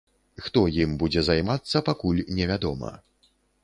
Хто ім будзе займацца пакуль невядома.